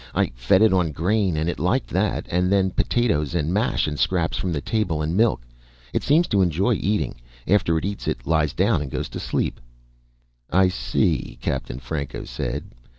I fed it on grain and it liked that. And then potatoes, and mash, and scraps from the table, and milk. It seems to enjoy eating. After it eats it lies down and goes to sleep." "I see," Captain Franco said.